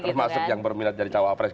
terus masuk yang berminat jadi cowok apres kan